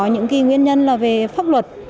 nguyên nhân là về pháp luật